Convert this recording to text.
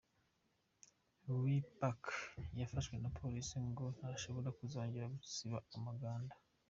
Lil Pac wafashwe na Police ngo ntashobora kuzongera gusiba umuganda.